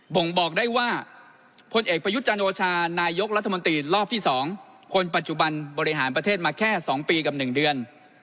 ่งบอกได้ว่าพลเอกประยุทธ์จันโอชานายกรัฐมนตรีรอบที่๒คนปัจจุบันบริหารประเทศมาแค่๒ปีกับ๑เดือน